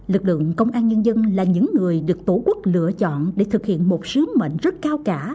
lực lượng công an nhân dân là những người được tổ quốc lựa chọn để thực hiện một sứ mệnh rất cao cả